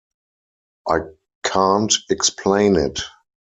I can't explain it.